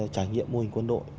trải nghiệm mô hình quân đội